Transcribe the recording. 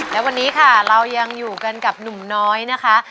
และวันนี้ค่ะเรายังอยู่กันกับหนุ่มน้อยนะคะ